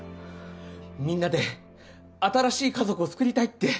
みんなで新しい家族を作りたいって。